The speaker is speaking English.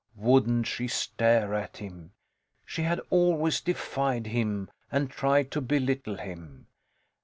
Wouldn't she stare at him? She had always defied him and tried to belittle him.